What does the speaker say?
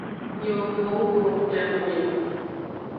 Miwo gbewo nggbe wo ngukpe no mi o.